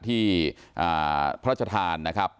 ที่พระราชทานนะครับ